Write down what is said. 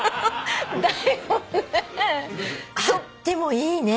あってもいいね。